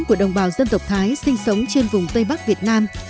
của đồng bào dân tộc thái sinh sống trên vùng tây bắc việt nam